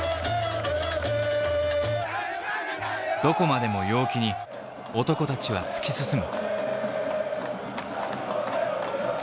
どこまでも陽気に男たちは突き進む。